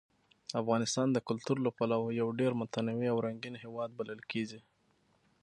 افغانستان د کلتور له پلوه یو ډېر متنوع او رنګین هېواد بلل کېږي.